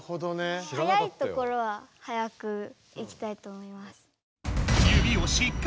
速いところは速くいきたいと思います。